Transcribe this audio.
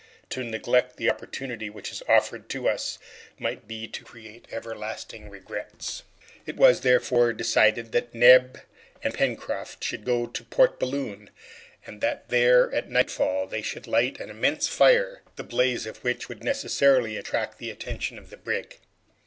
To neglect the opportunity which is offered to us might be to create everlasting regrets." It was therefore decided that Neb and Pencroft should go to Port Balloon, and that there, at nightfall, they should light an immense fire, the blaze of which would necessarily attract the attention of the brig.